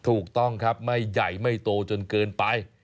ถูกต้องครับไม่ใหญ่ไม่โตจนเกินไป